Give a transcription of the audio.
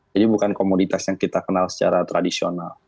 bukan komoditas yang kita kenal secara tradisional